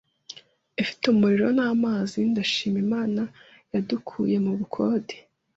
ifite umuriro n’amazi, ndashima Imana yadukuye mu bukode